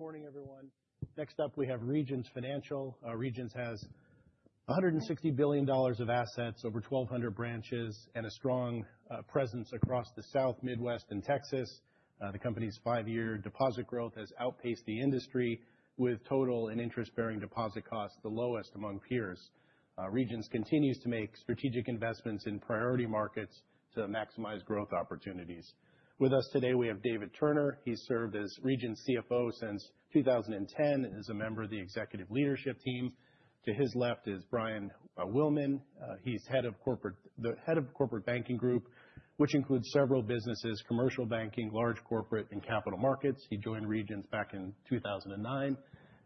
Morning, everyone. Next up, we have Regions Financial. Regions has $160 billion of assets over 1,200 branches and a strong presence across the South, Midwest, and Texas. The company's five-year deposit growth has outpaced the industry, with total and interest-bearing deposit costs the lowest among peers. Regions continues to make strategic investments in priority markets to maximize growth opportunities. With us today, we have David Turner. He's served as Regions CFO since 2010 and is a member of the executive leadership team. To his left is Brian Willman. He's head of the Corporate Banking Group, which includes several businesses: commercial banking, large corporate, and capital markets. He joined Regions back in 2009,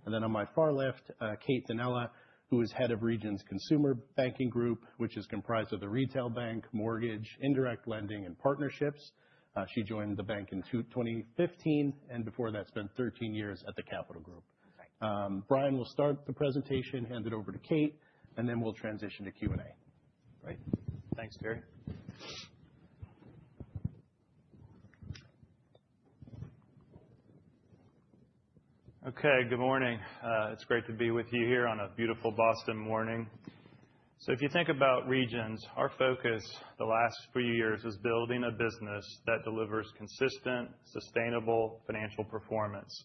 and then on my far left, Kate Danella, who is head of the Consumer Banking Group, which is comprised of the retail bank, mortgage, indirect lending, and partnerships. She joined the bank in 2015, and before that, spent 13 years at the Capital Group. Brian will start the presentation, hand it over to Kate, and then we'll transition to Q&A. Great. Thanks, Terry. Okay, good morning. It's great to be with you here on a beautiful Boston morning. So if you think about Regions, our focus the last few years was building a business that delivers consistent, sustainable financial performance.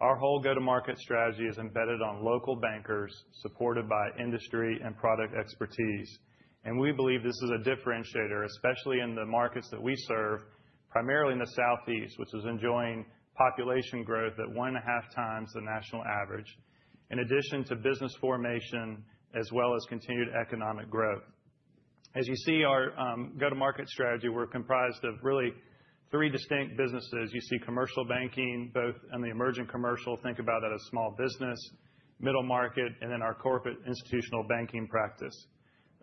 Our whole go-to-market strategy is embedded on local bankers supported by industry and product expertise. And we believe this is a differentiator, especially in the markets that we serve, primarily in the Southeast, which is enjoying population growth at one and a half times the national average, in addition to business formation, as well as continued economic growth. As you see our go-to-market strategy, we're comprised of really three distinct businesses. You see commercial banking, both in the Emerging Commercial (think about that as small business) Middle Market, and then our Corporate Institutional Banking practice.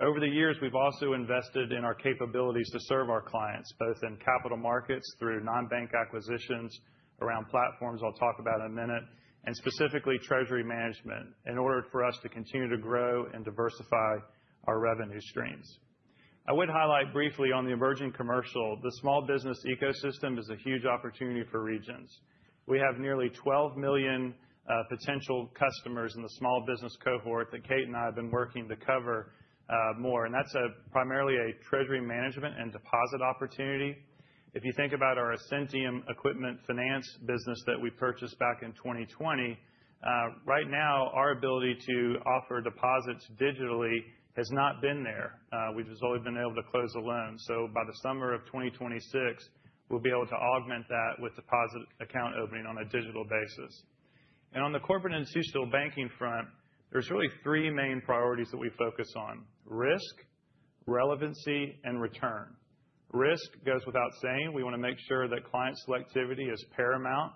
Over the years, we've also invested in our capabilities to serve our clients, both in capital markets through non-bank acquisitions, around platforms I'll talk about in a minute, and specifically treasury management, in order for us to continue to grow and diversify our revenue streams. I would highlight briefly on the emerging commercial. The small business ecosystem is a huge opportunity for Regions. We have nearly 12 million potential customers in the small business cohort that Kate and I have been working to cover more, and that's primarily a treasury management and deposit opportunity. If you think about our Ascentium equipment finance business that we purchased back in 2020, right now, our ability to offer deposits digitally has not been there. We've just only been able to close a loan, so by the summer of 2026, we'll be able to augment that with deposit account opening on a digital basis. On the corporate institutional banking front, there's really three main priorities that we focus on: risk, relevancy, and return. Risk goes without saying. We want to make sure that client selectivity is paramount.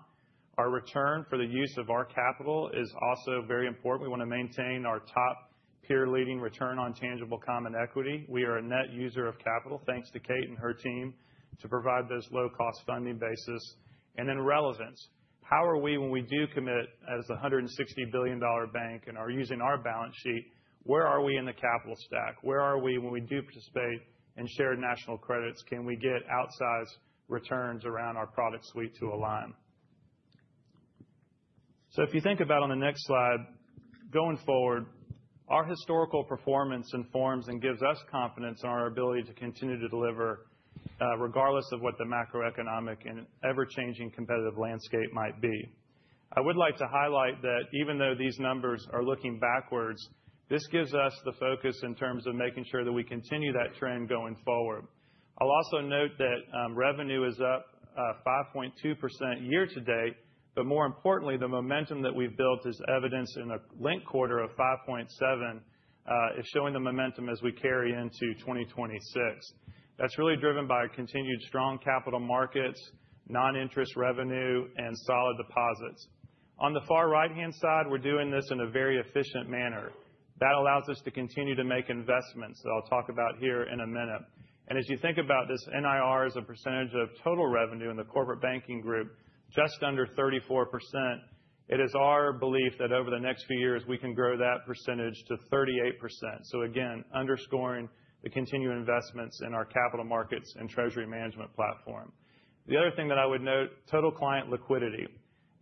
Our return for the use of our capital is also very important. We want to maintain our top peer-leading return on tangible common equity. We are a net user of capital, thanks to Kate and her team, to provide this low-cost funding basis. And then relevance. How are we, when we do commit as a $160 billion bank and are using our balance sheet, where are we in the capital stack? Where are we, when we do participate in Shared National Credits? Can we get outsized returns around our product suite to align? If you think about on the next slide, going forward, our historical performance informs and gives us confidence in our ability to continue to deliver regardless of what the macroeconomic and ever-changing competitive landscape might be. I would like to highlight that even though these numbers are looking backwards, this gives us the focus in terms of making sure that we continue that trend going forward. I'll also note that revenue is up 5.2% year to date, but more importantly, the momentum that we've built is evidenced in a linked quarter of 5.7%, showing the momentum as we carry into 2026. That's really driven by continued strong capital markets, non-interest revenue, and solid deposits. On the far right-hand side, we're doing this in a very efficient manner. That allows us to continue to make investments that I'll talk about here in a minute. As you think about this, NIR is a percentage of total revenue in the corporate banking group, just under 34%. It is our belief that over the next few years, we can grow that percentage to 38%. So again, underscoring the continued investments in our capital markets and treasury management platform. The other thing that I would note is total client liquidity.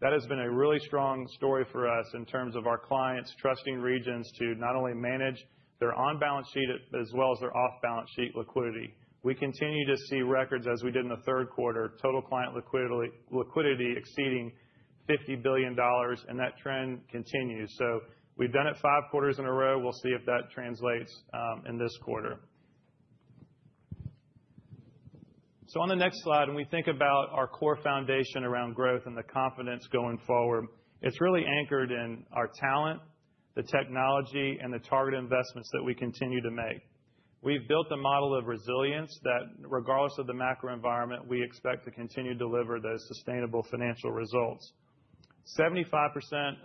That has been a really strong story for us in terms of our clients trusting Regions to not only manage their on-balance sheet but as well as their off-balance sheet liquidity. We continue to see records, as we did in the third quarter, total client liquidity exceeding $50 billion, and that trend continues. So we've done it five quarters in a row. We'll see if that translates in this quarter. On the next slide, when we think about our core foundation around growth and the confidence going forward, it's really anchored in our talent, the technology, and the target investments that we continue to make. We've built a model of resilience that, regardless of the macro environment, we expect to continue to deliver those sustainable financial results. 75%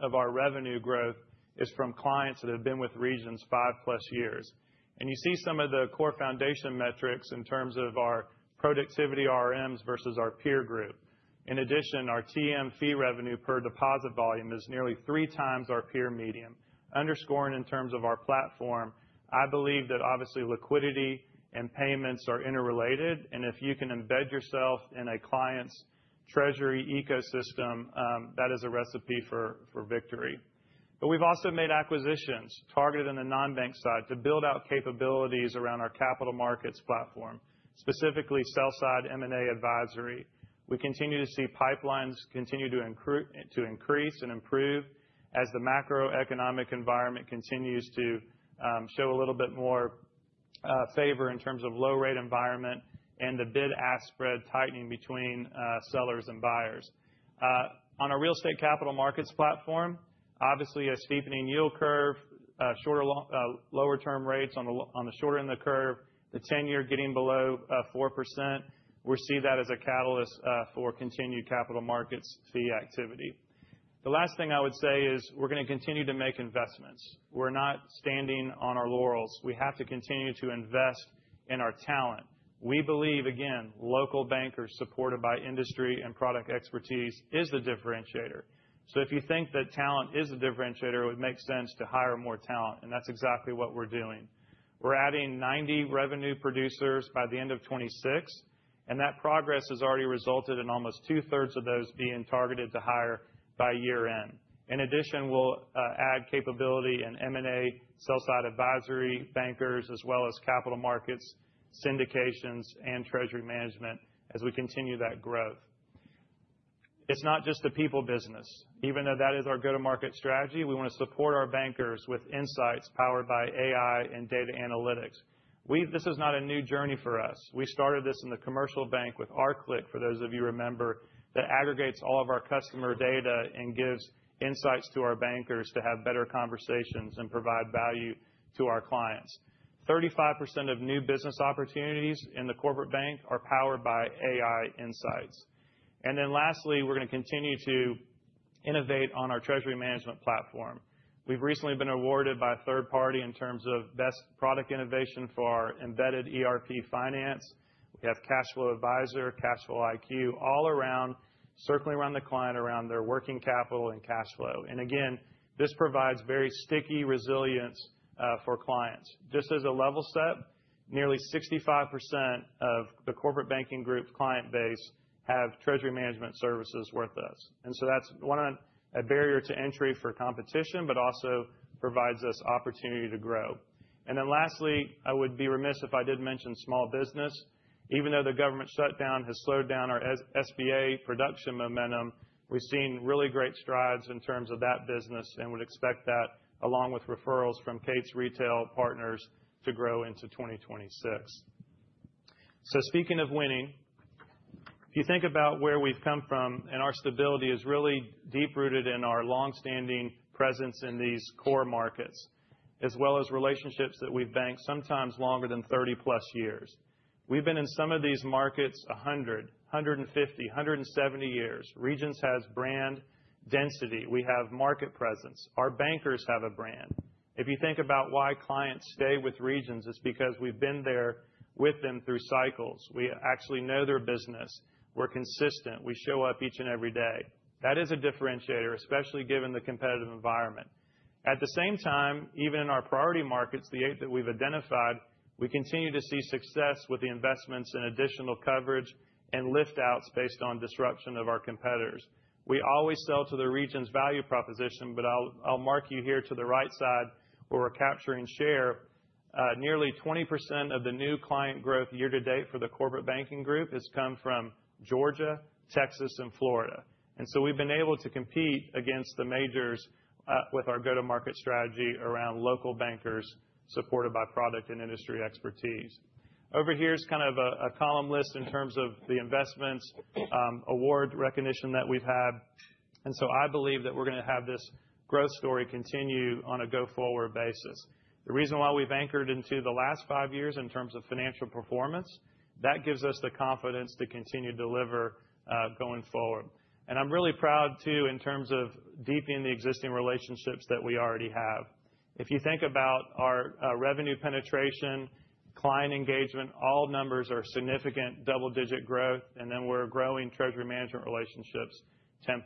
of our revenue growth is from clients that have been with Regions five+ years. And you see some of the core foundation metrics in terms of our productivity RMs versus our peer group. In addition, our TM fee revenue per deposit volume is nearly three times our peer median, underscoring in terms of our platform. I believe that, obviously, liquidity and payments are interrelated. And if you can embed yourself in a client's treasury ecosystem, that is a recipe for victory. But we've also made acquisitions targeted on the non-bank side to build out capabilities around our capital markets platform, specifically sell-side M&A advisory. We continue to see pipelines continue to increase and improve as the macroeconomic environment continues to show a little bit more favor in terms of low-rate environment and the bid-ask spread tightening between sellers and buyers. On our real estate capital markets platform, obviously, a steepening yield curve, lower-term rates on the shorter end of the curve, the 10-year getting below 4%. We see that as a catalyst for continued capital markets fee activity. The last thing I would say is we're going to continue to make investments. We're not standing on our laurels. We have to continue to invest in our talent. We believe, again, local bankers supported by industry and product expertise is the differentiator. So if you think that talent is the differentiator, it would make sense to hire more talent. And that's exactly what we're doing. We're adding 90 revenue producers by the end of 2026, and that progress has already resulted in almost two-thirds of those being targeted to hire by year-end. In addition, we'll add capability and M&A, sell-side advisory, bankers, as well as capital markets, syndications, and treasury management as we continue that growth. It's not just a people business. Even though that is our go-to-market strategy, we want to support our bankers with insights powered by AI and data analytics. This is not a new journey for us. We started this in the commercial bank with our CLIQ, for those of you who remember, that aggregates all of our customer data and gives insights to our bankers to have better conversations and provide value to our clients. 35% of new business opportunities in the corporate bank are powered by AI insights. And then lastly, we're going to continue to innovate on our Treasury Management platform. We've recently been awarded by a third party in terms of best product innovation for our Embedded ERP Finance. We have Cash Flow Advisor, CashFlowIQ, all circling around the client around their working capital and cash flow. And again, this provides very sticky resilience for clients. Just as a level set, nearly 65% of the Corporate Banking Group client base have Treasury Management services with us. And so that's a barrier to entry for competition, but also provides us opportunity to grow. And then lastly, I would be remiss if I did mention small business. Even though the government shutdown has slowed down our SBA production momentum, we've seen really great strides in terms of that business and would expect that, along with referrals from Kate's retail partners, to grow into 2026. So speaking of winning, if you think about where we've come from, our stability is really deep-rooted in our long-standing presence in these core markets, as well as relationships that we've banked sometimes longer than 30+ years. We've been in some of these markets 100, 150, 170 years. Regions has brand density. We have market presence. Our bankers have a brand. If you think about why clients stay with Regions, it's because we've been there with them through cycles. We actually know their business. We're consistent. We show up each and every day. That is a differentiator, especially given the competitive environment. At the same time, even in our priority markets, the eight that we've identified, we continue to see success with the investments and additional coverage and liftouts based on disruption of our competitors. We always sell to the Regions' value proposition, but I'll mark you here to the right side where we're capturing share. Nearly 20% of the new client growth year-to-date for the corporate banking group has come from Georgia, Texas, and Florida. And so we've been able to compete against the majors with our go-to-market strategy around local bankers supported by product and industry expertise. Over here is kind of a column list in terms of the investments, award recognition that we've had. And so I believe that we're going to have this growth story continue on a go-forward basis. The reason why we've anchored into the last five years in terms of financial performance, that gives us the confidence to continue to deliver going forward. And I'm really proud, too, in terms of deepening the existing relationships that we already have. If you think about our revenue penetration, client engagement, all numbers are significant double-digit growth, and then we're growing treasury management relationships 10%.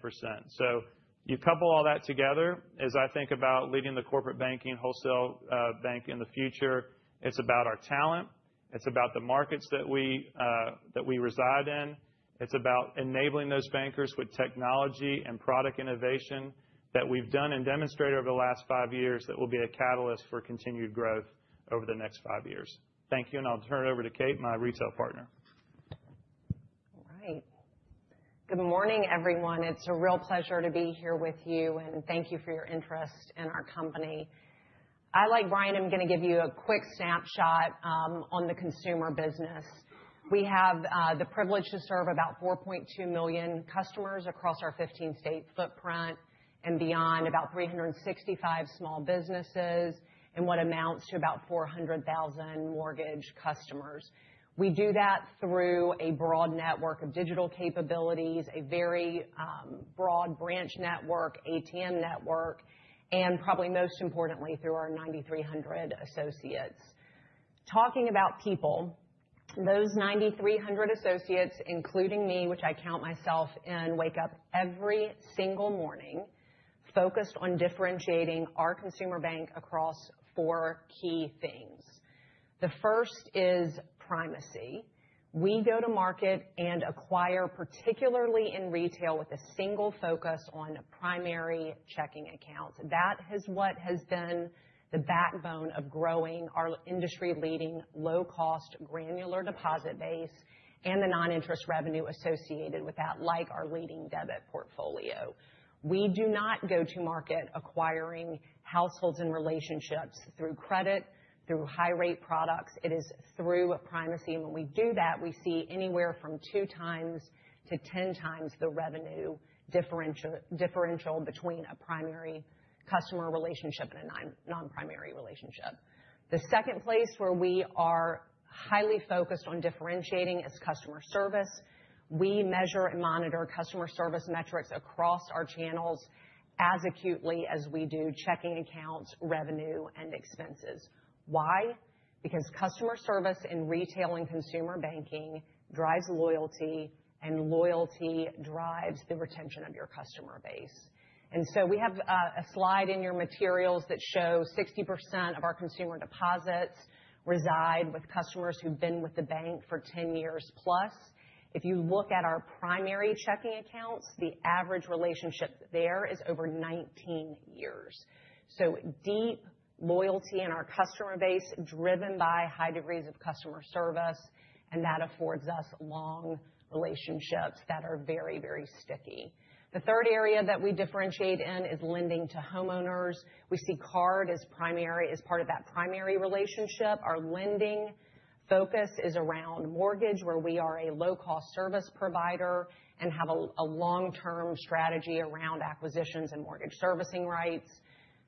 So you couple all that together, as I think about leading the corporate banking wholesale bank in the future, it's about our talent. It's about the markets that we reside in. It's about enabling those bankers with technology and product innovation that we've done and demonstrated over the last five years that will be a catalyst for continued growth over the next five years. Thank you. And I'll turn it over to Kate, my retail partner. All right. Good morning, everyone. It's a real pleasure to be here with you, and thank you for your interest in our company. I, like Brian, am going to give you a quick snapshot on the consumer business. We have the privilege to serve about 4.2 million customers across our 15-state footprint and beyond, about 365 small businesses, and what amounts to about 400,000 mortgage customers. We do that through a broad network of digital capabilities, a very broad branch network, ATM network, and probably most importantly, through our 9,300 associates. Talking about people, those 9,300 associates, including me, which I count myself in, wake up every single morning focused on differentiating our consumer bank across four key things. The first is primacy. We go to market and acquire, particularly in retail, with a single focus on primary checking accounts. That is what has been the backbone of growing our industry-leading low-cost granular deposit base and the non-interest revenue associated with that, like our leading debit portfolio. We do not go to market acquiring households and relationships through credit, through high-rate products. It is through primacy. And when we do that, we see anywhere from two times to 10 times the revenue differential between a primary customer relationship and a non-primary relationship. The second place where we are highly focused on differentiating is customer service. We measure and monitor customer service metrics across our channels as acutely as we do checking accounts, revenue, and expenses. Why? Because customer service in retail and consumer banking drives loyalty, and loyalty drives the retention of your customer base. We have a slide in your materials that shows 60% of our consumer deposits reside with customers who've been with the bank for 10 years plus. If you look at our primary checking accounts, the average relationship there is over 19 years. So deep loyalty in our customer base driven by high degrees of customer service, and that affords us long relationships that are very, very sticky. The third area that we differentiate in is lending to homeowners. We see card as primary as part of that primary relationship. Our lending focus is around mortgage, where we are a low-cost service provider and have a long-term strategy around acquisitions and mortgage servicing rights.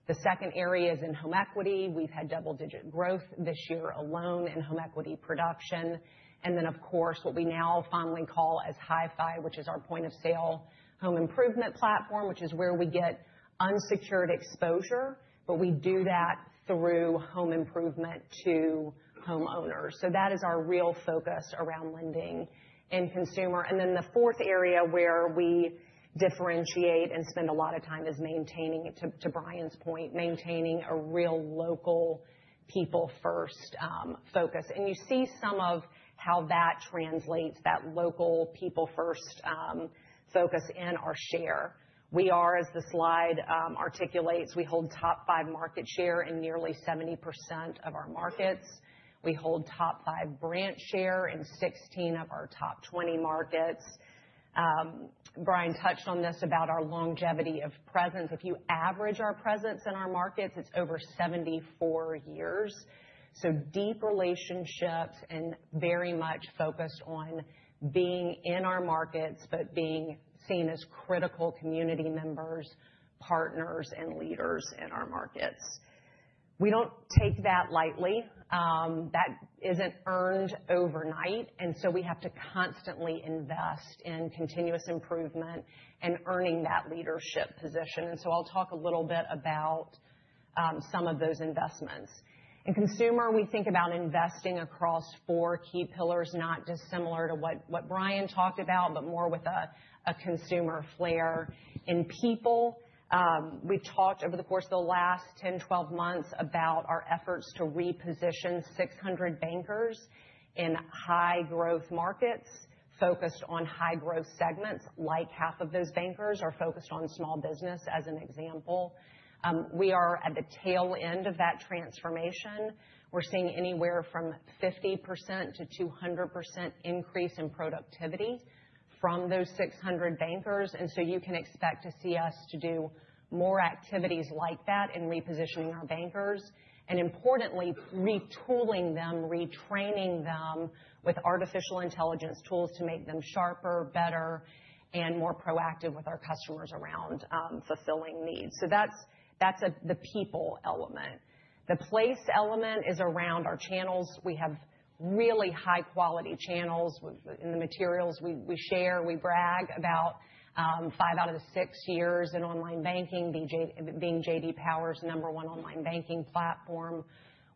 The second area is in home equity. We've had double-digit growth this year alone in home equity production. And then, of course, what we now finally call as HiFi, which is our point-of-sale home improvement platform, which is where we get unsecured exposure, but we do that through home improvement to homeowners. So that is our real focus around lending and consumer. And then the fourth area where we differentiate and spend a lot of time is maintaining, to Brian's point, maintaining a real local people-first focus. And you see some of how that translates, that local people-first focus in our share. We are, as the slide articulates, we hold top five market share in nearly 70% of our markets. We hold top five branch share in 16 of our top 20 markets. Brian touched on this about our longevity of presence. If you average our presence in our markets, it's over 74 years. Deep relationships and very much focused on being in our markets but being seen as critical community members, partners, and leaders in our markets. We don't take that lightly. That isn't earned overnight. And so we have to constantly invest in continuous improvement and earning that leadership position. And so I'll talk a little bit about some of those investments. In consumer, we think about investing across four key pillars, not dissimilar to what Brian talked about, but more with a consumer flair. In people, we've talked over the course of the last 10, 12 months about our efforts to reposition 600 bankers in high-growth markets focused on high-growth segments. Like half of those bankers are focused on small business, as an example. We are at the tail end of that transformation. We're seeing anywhere from 50%-200% increase in productivity from those 600 bankers. And so you can expect to see us to do more activities like that in repositioning our bankers and, importantly, retooling them, retraining them with artificial intelligence tools to make them sharper, better, and more proactive with our customers around fulfilling needs. So that's the people element. The place element is around our channels. We have really high-quality channels. In the materials we share, we brag about five out of the six years in online banking, being J.D. Power's number one online banking platform.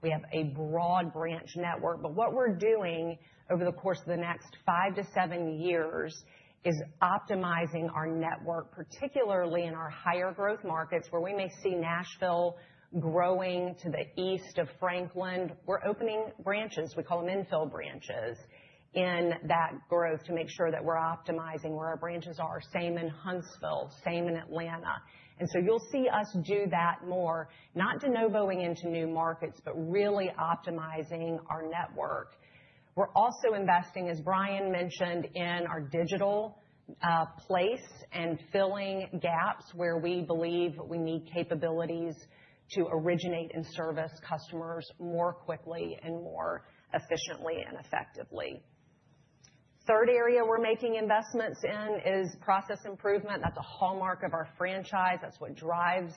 We have a broad branch network. But what we're doing over the course of the next five to seven years is optimizing our network, particularly in our higher-growth markets, where we may see Nashville growing to the east of Franklin. We're opening branches. We call them infill branches in that growth to make sure that we're optimizing where our branches are, same in Huntsville, same in Atlanta. So you'll see us do that more, not going into new markets, but really optimizing our network. We're also investing, as Brian mentioned, in our digital space and filling gaps where we believe we need capabilities to originate and service customers more quickly and more efficiently and effectively. Third area we're making investments in is process improvement. That's a hallmark of our franchise. That's what drives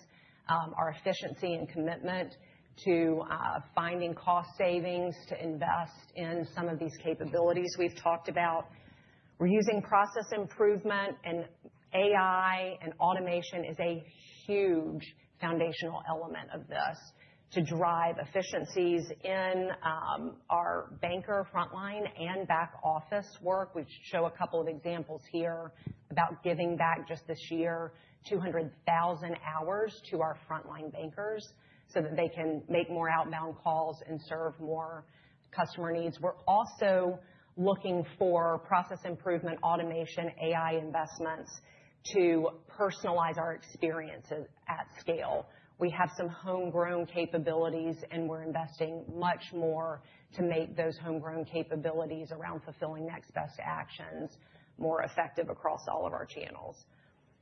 our efficiency and commitment to finding cost savings to invest in some of these capabilities we've talked about. We're using process improvement, and AI and automation is a huge foundational element of this to drive efficiencies in our banker frontline and back office work. We show a couple of examples here about giving back just this year 200,000 hours to our frontline bankers so that they can make more outbound calls and serve more customer needs. We're also looking for process improvement, automation, AI investments to personalize our experiences at scale. We have some homegrown capabilities, and we're investing much more to make those homegrown capabilities around fulfilling next best actions more effective across all of our channels.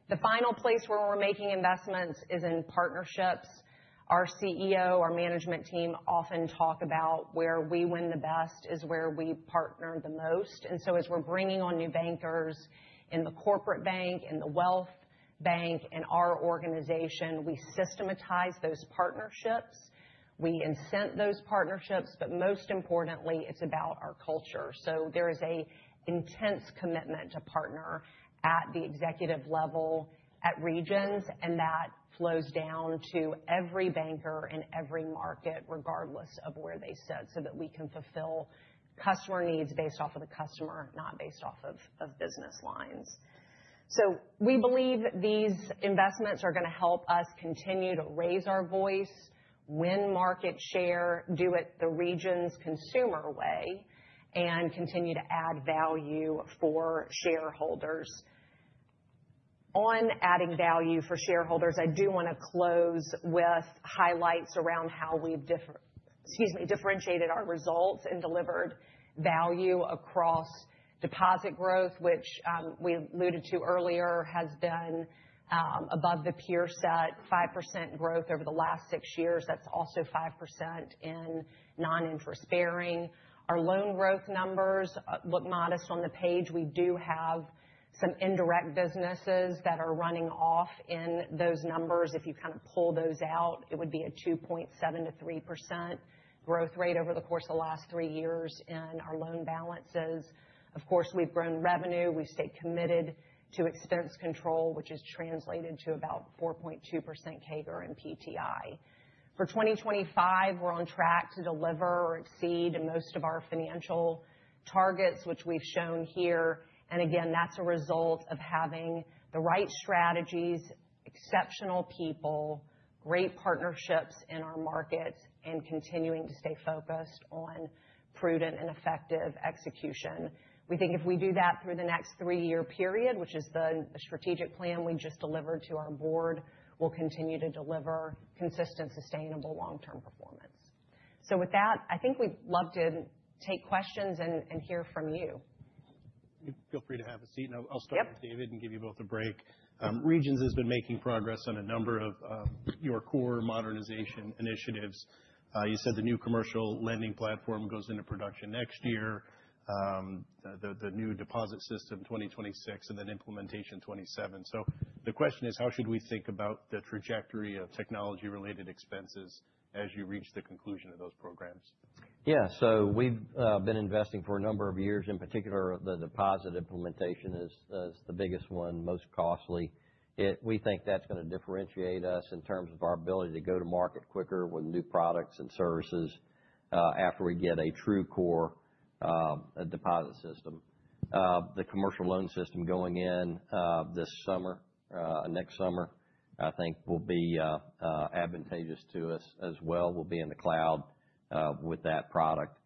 The final place where we're making investments is in partnerships. Our CEO, our management team often talk about where we win the best is where we partner the most, and so as we're bringing on new bankers in the corporate bank, in the wealth bank, in our organization, we systematize those partnerships. We incent those partnerships, but most importantly, it's about our culture. So there is an intense commitment to partner at the executive level at Regions, and that flows down to every banker in every market, regardless of where they sit, so that we can fulfill customer needs based off of the customer, not based off of business lines. So we believe these investments are going to help us continue to raise our voice, win market share, do it the Regions' consumer way, and continue to add value for shareholders. On adding value for shareholders, I do want to close with highlights around how we've differentiated our results and delivered value across deposit growth, which we alluded to earlier has been above the peer set, 5% growth over the last six years. That's also 5% in non-interest bearing. Our loan growth numbers look modest on the page. We do have some indirect businesses that are running off in those numbers. If you kind of pull those out, it would be a 2.7%-3% growth rate over the course of the last three years in our loan balances. Of course, we've grown revenue. We've stayed committed to expense control, which is translated to about 4.2% CAGR and PTI. For 2025, we're on track to deliver or exceed most of our financial targets, which we've shown here. And again, that's a result of having the right strategies, exceptional people, great partnerships in our markets, and continuing to stay focused on prudent and effective execution. We think if we do that through the next three-year period, which is the strategic plan we just delivered to our board, we'll continue to deliver consistent, sustainable long-term performance. So with that, I think we'd love to take questions and hear from you. Feel free to have a seat, and I'll start with David and give you both a break. Regions has been making progress on a number of your core modernization initiatives. You said the new commercial lending platform goes into production next year, the new deposit system 2026, and then implementation 2027, so the question is, how should we think about the trajectory of technology-related expenses as you reach the conclusion of those programs? Yeah. So we've been investing for a number of years. In particular, the deposit implementation is the biggest one, most costly. We think that's going to differentiate us in terms of our ability to go to market quicker with new products and services after we get a true core deposit system. The commercial loan system going in this summer, next summer, I think will be advantageous to us as well. We'll be in the cloud with that product.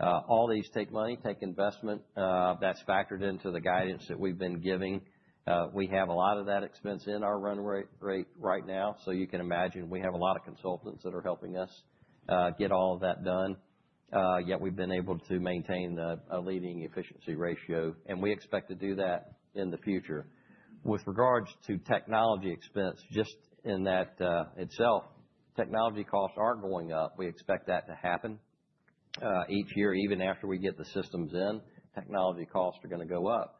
All these take money, take investment. That's factored into the guidance that we've been giving. We have a lot of that expense in our run rate right now. So you can imagine we have a lot of consultants that are helping us get all of that done. Yet we've been able to maintain a leading efficiency ratio, and we expect to do that in the future. With regards to technology expense, just in that itself, technology costs are going up. We expect that to happen each year. Even after we get the systems in, technology costs are going to go up.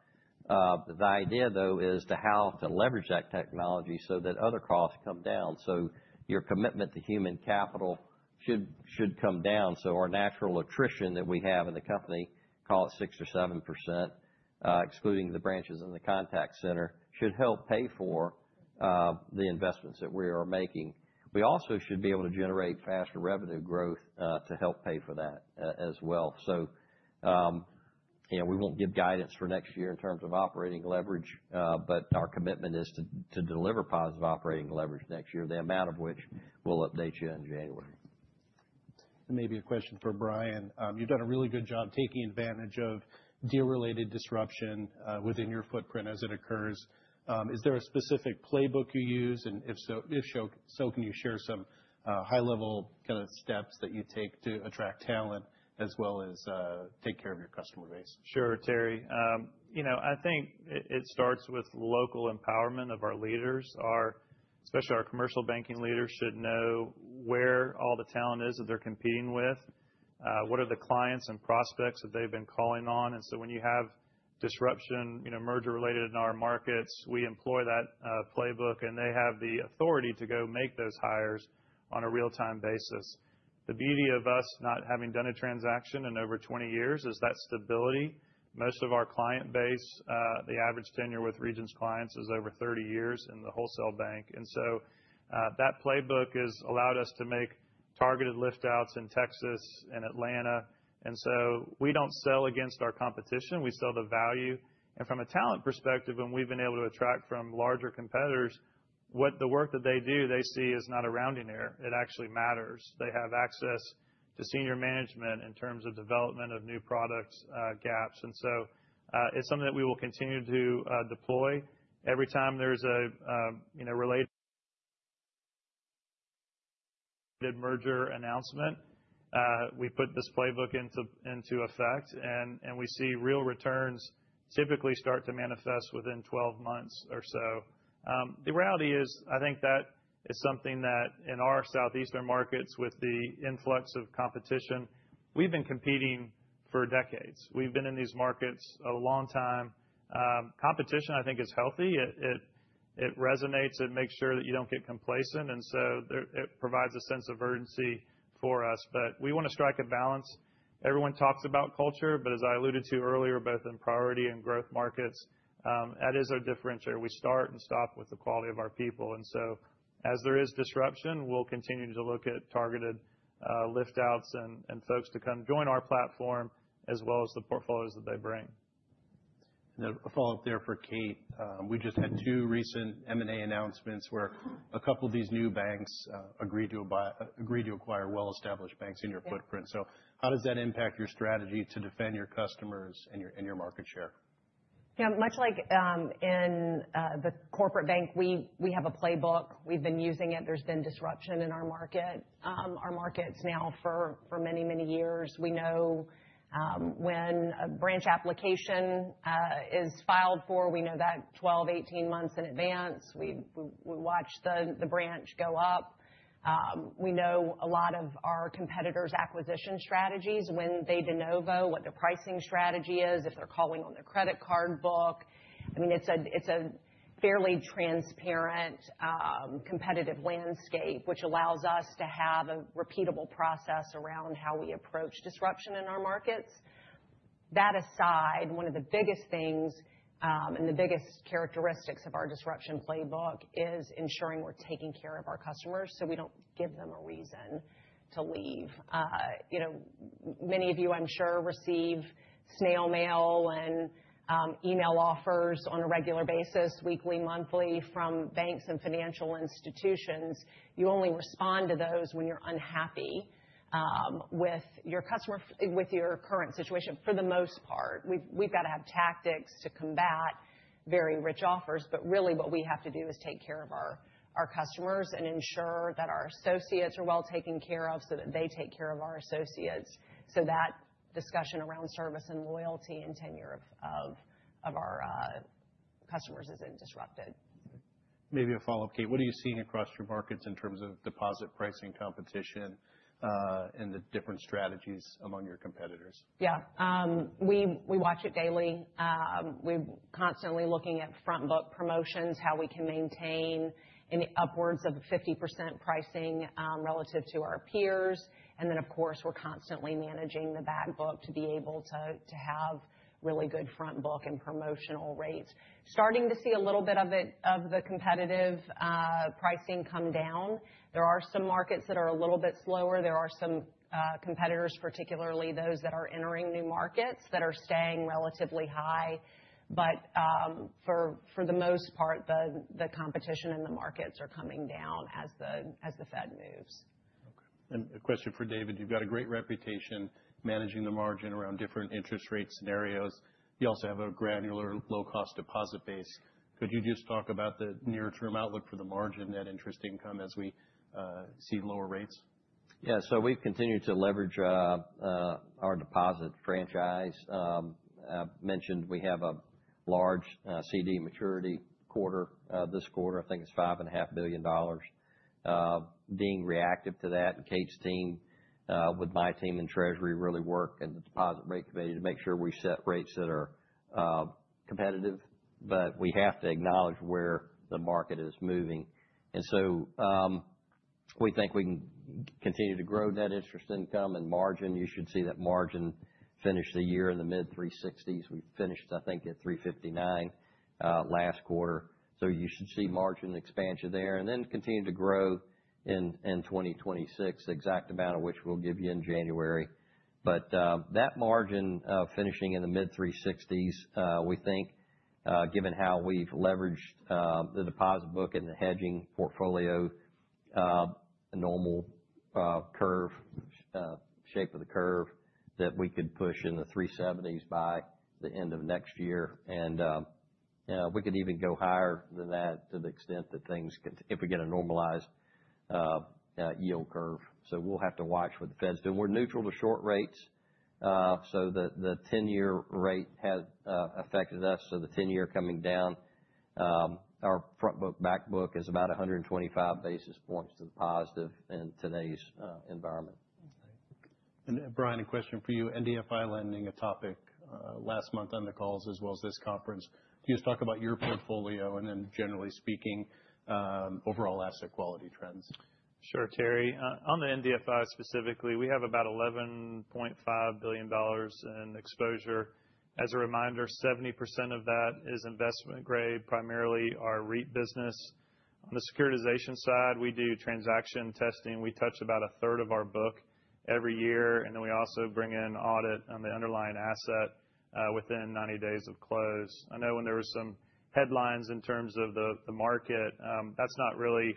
The idea, though, is to leverage that technology so that other costs come down. So your commitment to human capital should come down. So our natural attrition that we have in the company, call it 6% or 7%, excluding the branches and the contact center, should help pay for the investments that we are making. We also should be able to generate faster revenue growth to help pay for that as well. So we won't give guidance for next year in terms of operating leverage, but our commitment is to deliver positive operating leverage next year, the amount of which we'll update you in January. And maybe a question for Brian. You've done a really good job taking advantage of peer-related disruption within your footprint as it occurs. Is there a specific playbook you use? And if so, can you share some high-level kind of steps that you take to attract talent as well as take care of your customer base? Sure, Terry. I think it starts with local empowerment of our leaders. Especially our commercial banking leaders should know where all the talent is that they're competing with, what are the clients and prospects that they've been calling on. And so when you have disruption, merger-related in our markets, we employ that playbook, and they have the authority to go make those hires on a real-time basis. The beauty of us not having done a transaction in over 20 years is that stability. Most of our client base, the average tenure with Regions clients is over 30 years in the wholesale bank. And so that playbook has allowed us to make targeted liftouts in Texas and Atlanta. And so we don't sell against our competition. We sell the value. And from a talent perspective, when we've been able to attract from larger competitors, what the work that they do, they see is not a rounding error. It actually matters. They have access to senior management in terms of development of new products, gaps. And so it's something that we will continue to deploy. Every time there's a related merger announcement, we put this playbook into effect. And we see real returns typically start to manifest within 12 months or so. The reality is, I think that is something that in our Southeastern markets, with the influx of competition, we've been competing for decades. We've been in these markets a long time. Competition, I think, is healthy. It resonates. It makes sure that you don't get complacent. And so it provides a sense of urgency for us. But we want to strike a balance. Everyone talks about culture, but as I alluded to earlier, both in priority and growth markets, that is our differential. We start and stop with the quality of our people, and so as there is disruption, we'll continue to look at targeted liftouts and folks to come join our platform as well as the portfolios that they bring. And a follow-up there for Kate. We just had two recent M&A announcements where a couple of these new banks agreed to acquire well-established banks in your footprint. So how does that impact your strategy to defend your customers and your market share? Yeah. Much like in the corporate bank, we have a playbook. We've been using it. There's been disruption in our market. Our market's now for many, many years. We know when a branch application is filed for. We know that 12, 18 months in advance. We watch the branch go up. We know a lot of our competitors' acquisition strategies, when they de novo, what their pricing strategy is, if they're calling on their credit card book. I mean, it's a fairly transparent competitive landscape, which allows us to have a repeatable process around how we approach disruption in our markets. That aside, one of the biggest things and the biggest characteristics of our disruption playbook is ensuring we're taking care of our customers so we don't give them a reason to leave. Many of you, I'm sure, receive snail mail and email offers on a regular basis, weekly, monthly, from banks and financial institutions. You only respond to those when you're unhappy with your current situation, for the most part. We've got to have tactics to combat very rich offers. But really, what we have to do is take care of our customers and ensure that our associates are well taken care of so that they take care of our associates, so that discussion around service and loyalty and tenure of our customers isn't disrupted. Maybe a follow-up, Kate. What are you seeing across your markets in terms of deposit pricing competition and the different strategies among your competitors? Yeah. We watch it daily. We're constantly looking at frontbook promotions, how we can maintain in the upwards of 50% pricing relative to our peers. And then, of course, we're constantly managing the backbook to be able to have really good frontbook and promotional rates. Starting to see a little bit of the competitive pricing come down. There are some markets that are a little bit slower. There are some competitors, particularly those that are entering new markets, that are staying relatively high. But for the most part, the competition in the markets are coming down as the Fed moves. Okay. And a question for David. You've got a great reputation managing the margin around different interest rate scenarios. You also have a granular low-cost deposit base. Could you just talk about the near-term outlook for the margin, net interest income, as we see lower rates? Yeah. So we've continued to leverage our deposit franchise. I've mentioned we have a large CD maturity quarter. This quarter, I think it's $5.5 billion. Being reactive to that, and Kate's team with my team in Treasury really work in the deposit rate committee to make sure we set rates that are competitive. But we have to acknowledge where the market is moving. And so we think we can continue to grow net interest income and margin. You should see that margin finish the year in the mid-360s. We finished, I think, at 359 last quarter. So you should see margin expansion there and then continue to grow in 2026, the exact amount of which we'll give you in January. But that margin finishing in the mid-360s, we think, given how we've leveraged the deposit book and the hedging portfolio, a normal curve, shape of the curve that we could push in the 370s by the end of next year. And we could even go higher than that to the extent that things can, if we get a normalized yield curve. So we'll have to watch what the Fed's doing. We're neutral to short rates. So the 10-year rate has affected us. So the 10-year coming down, our frontbook, backbook is about 125 basis points to the positive in today's environment. Brian, a question for you. NDFI lending, a topic last month on the calls as well as this conference. Can you just talk about your portfolio and then, generally speaking, overall asset quality trends? Sure, Terry. On the NDFI specifically, we have about $11.5 billion in exposure. As a reminder, 70% of that is investment grade, primarily our REIT business. On the securitization side, we do transaction testing. We touch about a third of our book every year. And then we also bring in audit on the underlying asset within 90 days of close. I know when there were some headlines in terms of the market, that's not really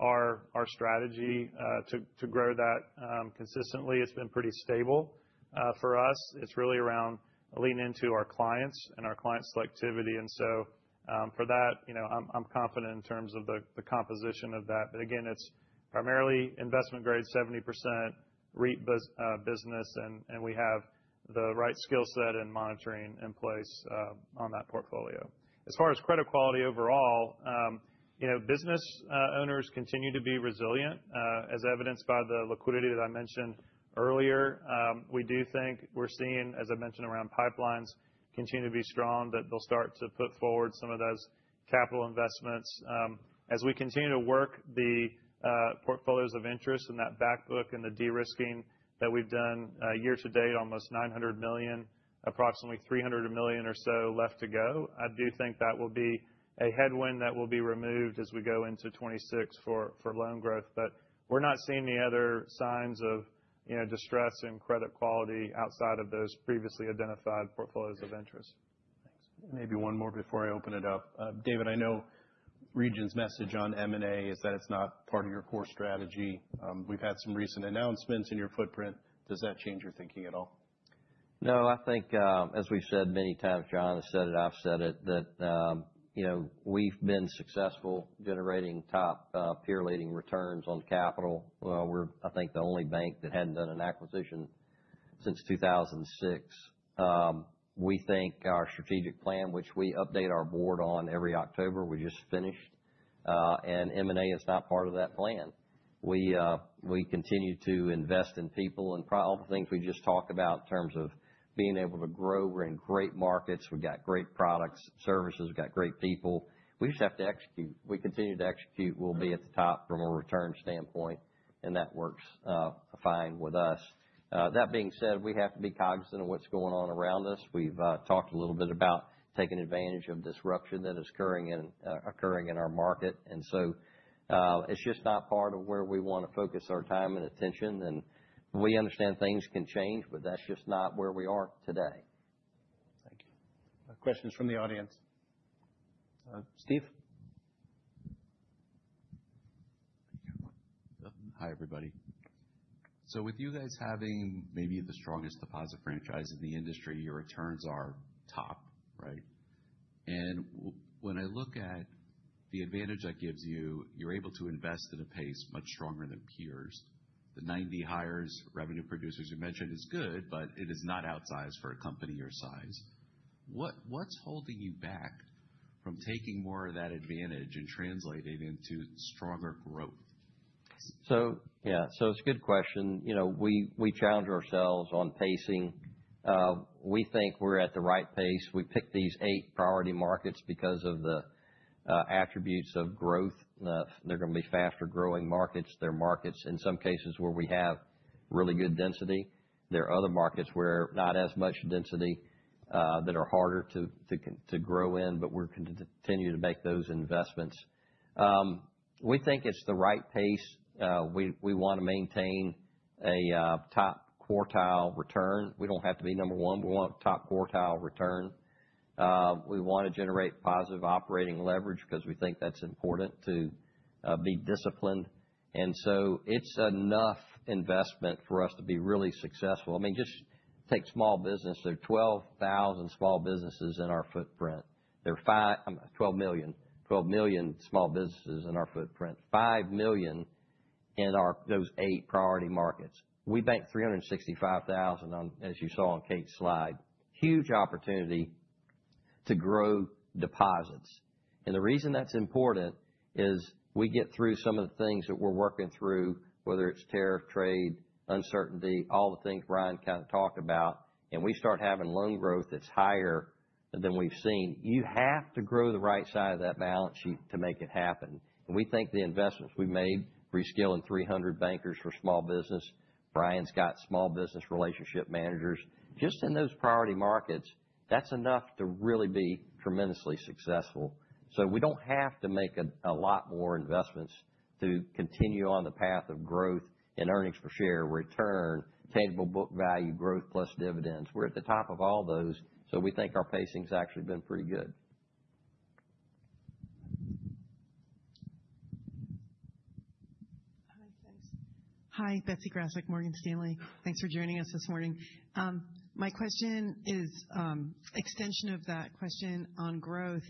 our strategy to grow that consistently. It's been pretty stable for us. It's really around leaning into our clients and our client selectivity. And so for that, I'm confident in terms of the composition of that. But again, it's primarily investment grade, 70% REIT business, and we have the right skill set and monitoring in place on that portfolio. As far as credit quality overall, business owners continue to be resilient, as evidenced by the liquidity that I mentioned earlier. We do think we're seeing, as I mentioned, around pipelines continue to be strong, that they'll start to put forward some of those capital investments. As we continue to work the portfolios of interest and that backbook and the de-risking that we've done year to date, almost $900 million, approximately $300 million or so left to go. I do think that will be a headwind that will be removed as we go into 2026 for loan growth. But we're not seeing the other signs of distress in credit quality outside of those previously identified portfolios of interest. Thanks. Maybe one more before I open it up. David, I know Regions' message on M&A is that it's not part of your core strategy. We've had some recent announcements in your footprint. Does that change your thinking at all? No. I think, as we've said many times, John has said it, I've said it, that we've been successful generating top peer-leading returns on capital. We're, I think, the only bank that hadn't done an acquisition since 2006. We think our strategic plan, which we update our board on every October, we just finished. And M&A is not part of that plan. We continue to invest in people and all the things we just talked about in terms of being able to grow. We're in great markets. We've got great products, services. We've got great people. We just have to execute. If we continue to execute, we'll be at the top from a return standpoint. And that works fine with us. That being said, we have to be cognizant of what's going on around us. We've talked a little bit about taking advantage of disruption that is occurring in our market, and so it's just not part of where we want to focus our time and attention, and we understand things can change, but that's just not where we are today. Thank you. Questions from the audience? Steve? Hi, everybody. So with you guys having maybe the strongest deposit franchise in the industry, your returns are top, right? And when I look at the advantage that gives you, you're able to invest at a pace much stronger than peers. The 90 hires, revenue producers you mentioned, is good, but it is not outsized for a company your size. What's holding you back from taking more of that advantage and translating into stronger growth? So yeah, so it's a good question. We challenge ourselves on pacing. We think we're at the right pace. We picked these eight priority markets because of the attributes of growth. They're going to be faster-growing markets. They're markets in some cases where we have really good density. There are other markets where not as much density that are harder to grow in, but we're going to continue to make those investments. We think it's the right pace. We want to maintain a top quartile return. We don't have to be number one. We want top quartile return. We want to generate positive operating leverage because we think that's important to be disciplined. And so it's enough investment for us to be really successful. I mean, just take small business. There are 12,000 small businesses in our footprint. There are 12 million, 12 million small businesses in our footprint, 5 million in those eight priority markets. We bank 365,000, as you saw on Kate's slide. Huge opportunity to grow deposits, and the reason that's important is we get through some of the things that we're working through, whether it's tariff trade, uncertainty, all the things Brian kind of talked about, and we start having loan growth that's higher than we've seen. You have to grow the right side of that balance sheet to make it happen, and we think the investments we've made, reskilling 300 bankers for small business. Brian's got small business relationship managers just in those priority markets. That's enough to really be tremendously successful, so we don't have to make a lot more investments to continue on the path of growth in earnings per share, return, tangible book value, growth plus dividends. We're at the top of all those. So we think our pacing's actually been pretty good. Hi, thanks. Hi, Betsy Graseck, Morgan Stanley. Thanks for joining us this morning. My question is an extension of that question on growth.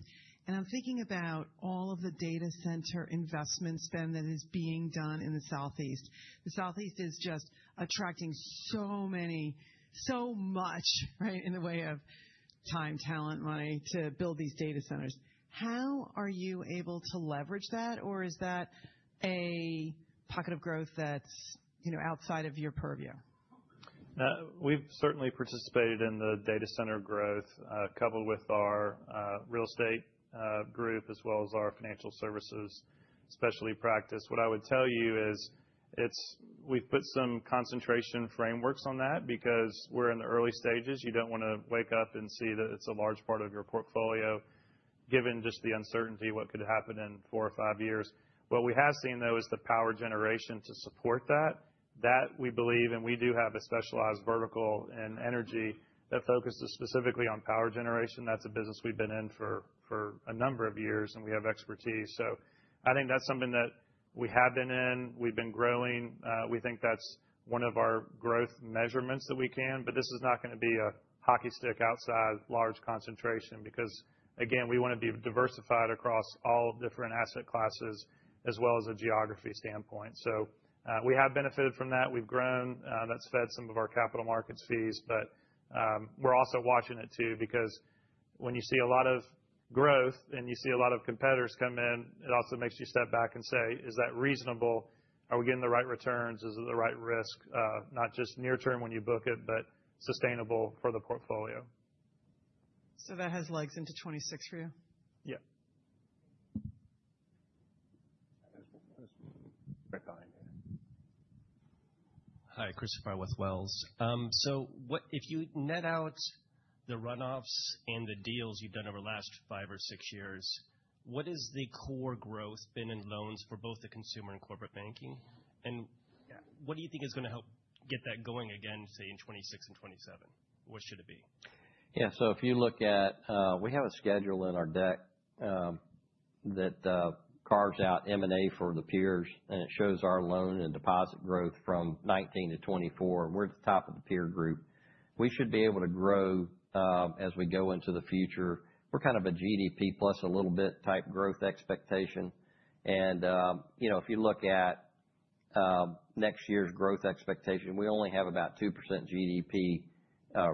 And I'm thinking about all of the data center investment spend that is being done in the Southeast. The Southeast is just attracting so many, so much, right, in the way of time, talent, money to build these data centers. How are you able to leverage that, or is that a pocket of growth that's outside of your purview? We've certainly participated in the data center growth, coupled with our real estate group as well as our financial services specialty practice. What I would tell you is we've put some concentration frameworks on that because we're in the early stages. You don't want to wake up and see that it's a large part of your portfolio, given just the uncertainty of what could happen in four or five years. What we have seen, though, is the power generation to support that. That we believe, and we do have a specialized vertical in energy that focuses specifically on power generation. That's a business we've been in for a number of years, and we have expertise. So I think that's something that we have been in. We've been growing. We think that's one of our growth measurements that we can. But this is not going to be a hockey stick outside large concentration because, again, we want to be diversified across all different asset classes as well as a geography standpoint. So we have benefited from that. We've grown. That's fed some of our capital markets fees. But we're also watching it too because when you see a lot of growth and you see a lot of competitors come in, it also makes you step back and say, "Is that reasonable? Are we getting the right returns? Is it the right risk?" Not just near-term when you book it, but sustainable for the portfolio. So that has legs into 2026 for you? Yeah. Hi, Christopher with Wells. So if you net out the runoffs and the deals you've done over the last five or six years, what has the core growth been in loans for both the consumer and corporate banking? And what do you think is going to help get that going again, say, in 2026 and 2027? What should it be? Yeah. So if you look at, we have a schedule in our deck that carves out M&A for the peers, and it shows our loan and deposit growth from 2019 to 2024. We're at the top of the peer group. We should be able to grow as we go into the future. We're kind of a GDP plus a little bit type growth expectation. And if you look at next year's growth expectation, we only have about 2%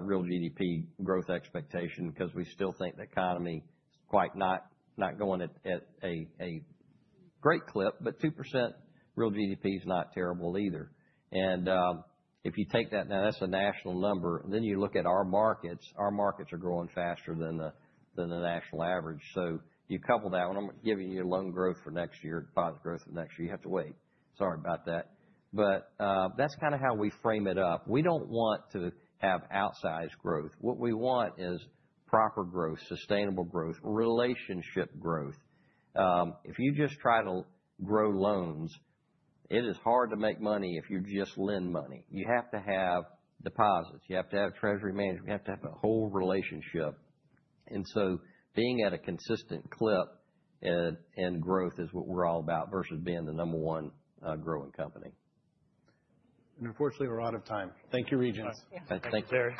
real GDP growth expectation because we still think the economy is quite not going at a great clip, but 2% real GDP is not terrible either. And if you take that now, that's a national number. Then you look at our markets. Our markets are growing faster than the national average. So you couple that, and I'm giving you loan growth for next year, deposit growth for next year. You have to wait. Sorry about that. But that's kind of how we frame it up. We don't want to have outsized growth. What we want is proper growth, sustainable growth, relationship growth. If you just try to grow loans, it is hard to make money if you just lend money. You have to have deposits. You have to have treasury management. You have to have a whole relationship. And so being at a consistent clip in growth is what we're all about versus being the number one growing company. And unfortunately, we're out of time. Thank you, Regions. Thank you.